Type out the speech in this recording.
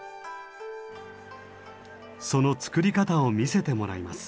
その作り方を見せてもらいます。